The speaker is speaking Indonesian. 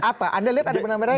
apa anda lihat ada benang merah